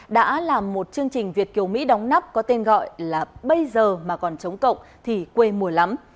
đã làm một chương trình việt kiều mỹ đóng nắp có tên gọi là bây giờ mà còn chống cộng thì quê mùa lắm